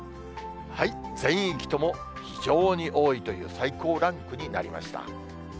全域とも非常に多いという最高ランクになりました。